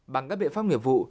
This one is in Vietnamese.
bằng các biện pháp nguyện vụ